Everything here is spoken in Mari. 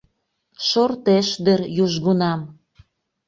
Шортеш дыр южгунам.